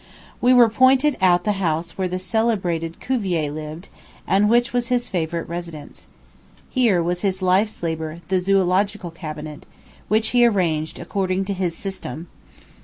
We were pointed out the house where the celebrated Cuvier lived, and which was his favorite residence. Here was his life's labor, the Zoölogical Cabinet, which he arranged according to his system.